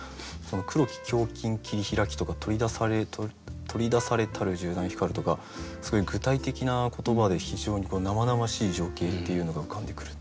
「黒き胸筋切りひらき」とか「取り出されたる銃弾光る」とかすごい具体的な言葉で非常に生々しい情景っていうのが浮かんでくる。